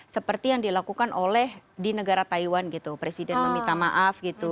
seperti yang dilakukan oleh di negara taiwan gitu presiden meminta maaf gitu